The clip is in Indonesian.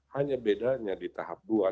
hanya bedanya di tahap dua